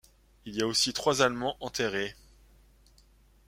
Il y a aussi trois Allemands enterrés.